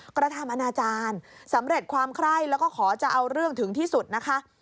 กระทำอนาจารย์สำเร็จความไคร้แล้วก็ขอจะเอาเรื่องถึงที่สุดนะคะ